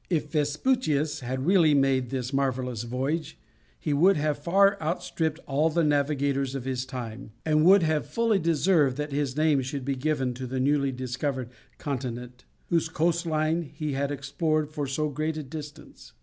If Vespucius had really made this marvellous voyage, he would have far outstripped all the navigators of his time, and would have fully deserved that his name should be given to the newly discovered continent, whose coast line he had explored for so great a distance.